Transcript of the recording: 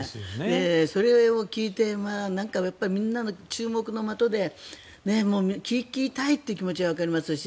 それを聞いてみんなの注目の的で聞きたい気持ちはわかりますし